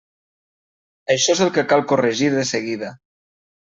Això és el que cal corregir de seguida.